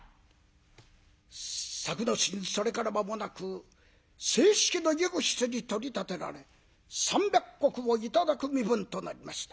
作之進それから間もなく正式な右筆に取り立てられ３００石を頂く身分となりました。